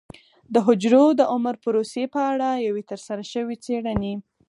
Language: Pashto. د حجرو د عمر پروسې په اړه یوې ترسره شوې څېړنې